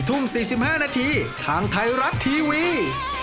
ทุ่ม๔๕นาทีทางไทยรัฐทีวี